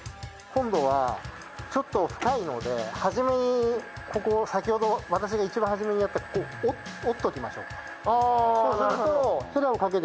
今度はちょっと深いので初めにここ先ほど私が一番初めにやったここ折っときましょうか。